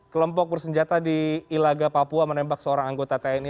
kelompok bersenjata di ilaga papua menembak seorang anggota tni